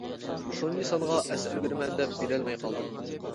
تۇنجى سانغا ئەسەر بېرىمەن دەپ بېرەلمەي قالدىم.